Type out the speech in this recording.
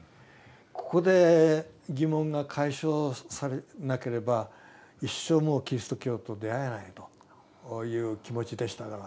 ここで疑問が解消されなければ一生もうキリスト教と出会えないという気持ちでしたから。